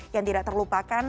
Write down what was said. yang tidak terlupakan